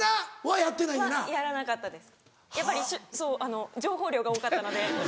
やっぱり情報量が多かったので。